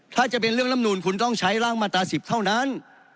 ถ้าจะเป็นเรื่องลำนูนคุณต้องใช้ร่างมาตรา๑๐เท่านั้น